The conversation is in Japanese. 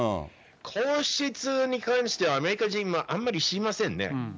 皇室に関しては、アメリカ人は、あんまり知りませんね。